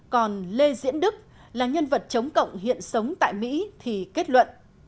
còn lê diễn đức là nhân vật chống cộng hiện sống tại mỹ thì kết luận